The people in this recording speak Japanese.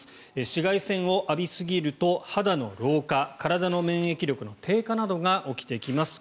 紫外線を浴びすぎると肌の老化体の免疫力の低下などが起きてきます。